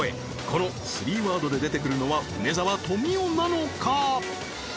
この３ワードででてくるのは梅沢富美男なのか？